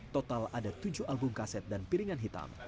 total ada tujuh album kaset dan piringan hitam